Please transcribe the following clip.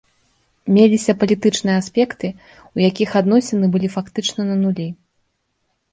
Меліся палітычныя аспекты, у якіх адносіны былі фактычна на нулі.